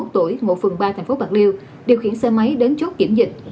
sáu mươi một tuổi ngộ phường ba thành phố bạc liêu điều khiển xe máy đến chốt kiểm dịch